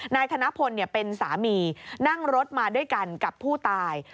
นายธนพลเป็นสามีนั่งรถมาด้วยกันกับผู้ตาย